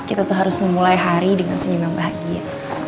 kita tuh harus memulai hari dengan senyuman bahagia